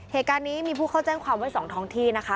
เหตุการณ์นี้มีผู้เข้าแจ้งความไว้๒ท้องที่นะคะ